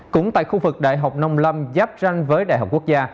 cũng tại khu vực đại học nông lâm giáp ranh với đại học quốc gia